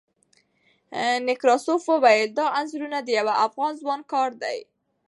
نکراسوف وویل، دا انځورونه د یوه افغان ځوان کار دی.